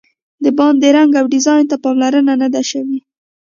د باندې رنګ او ډیزاین ته پاملرنه نه ده شوې.